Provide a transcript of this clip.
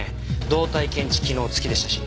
動体検知機能付きでしたし。